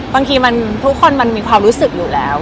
บางทีทุกคนมันมีความรู้สึกอยู่แล้ว